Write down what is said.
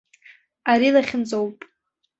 Ари лахьынҵоуп.